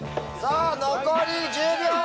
残り１０秒！